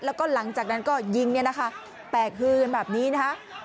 แล้วก็หลังจากนั้นก็ยิงนะคะแตกคืนแบบนี้นะคะ